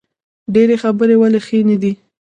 ډیرې خبرې ولې ښې نه دي؟